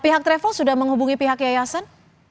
pihak travel sudah menghubungi pihak yayasan